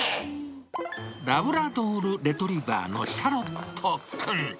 ラブラドールレトリバーのシャロットくん。